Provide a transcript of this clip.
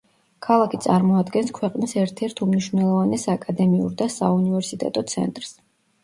ქალაქი წარმოადგენს ქვეყნის ერთ-ერთ უმნიშვნელოვანეს აკადემიურ და საუნივერსიტეტო ცენტრს.